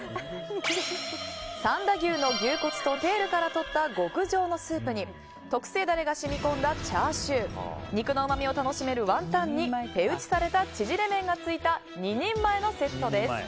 三田牛の牛骨とテールからとった極上のスープに特製ダレが染み込んだチャーシュー肉のうまみを楽しめるワンタンに手打ちされた縮れ麺がついた２人前のセットです。